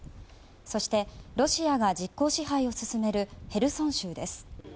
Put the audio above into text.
そしてロシアが実効支配を進めるヘルソン州です。